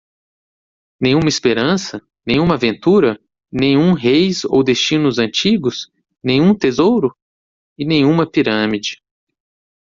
Nenhuma esperança? nenhuma aventura? nenhum reis ou destinos antigos? nenhum tesouro? e nenhuma pirâmide.